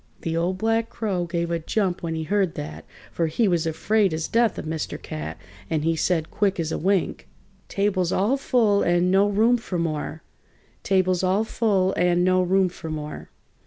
The Old Black Crow gave a jump when he heard that, for he was afraid as death of Mr. Cat, and he said, quick as a wink: "Table's all full and no room for more! Table's all full and no room for more!"